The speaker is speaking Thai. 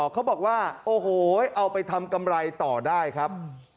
เขาบอกว่าโอ้โหเอาไปทำกำไรต่อได้ครับ